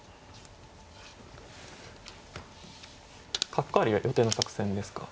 角換わりは予定の作戦ですか。